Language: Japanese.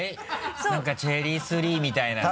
なんかチェリー３みたいなさ。